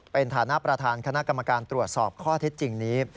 เป็นฐานะประธานคณะกรรมการตรวจสอบข้อเท็จจริงนี้